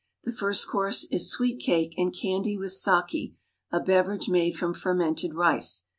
The first course is sweet cake and candy with sake, a beverage made from fermented rice.